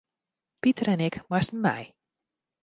Piter en ik moasten mei.